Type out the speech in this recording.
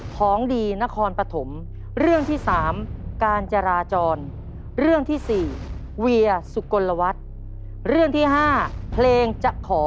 พร้อมกันเลยครับ